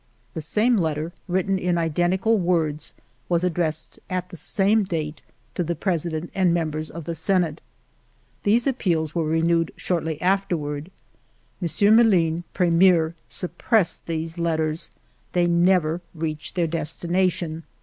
The same letter, written in identical words, was addressed at the same date to the President and members of the Senate. These appeals were renewed shortly afterward. M. Meline, Pre mier, suppressed these letters. They never reached their destination.